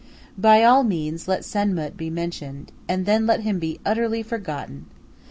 By all means let Senmut be mentioned, and then let him be utterly forgotten.